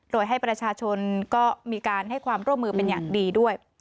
โดยให้ประชาชนก็มีการให้ความร่วมมือเป็นอย่างดีด้วย